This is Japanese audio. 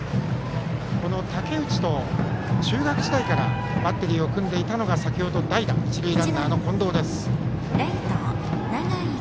この武内と中学時代からバッテリーを組んでいたのが先ほど、代打で出た一塁ランナーの近藤です。